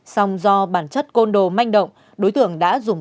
xong do bản chất côn đồ manh động đối tượng đã dùng